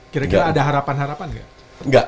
kira kira ada harapan harapan nggak